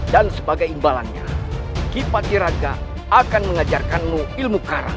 dan sebagai imbalannya kipati raga akan mengajarkanmu ilmu karang